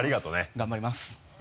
頑張ります。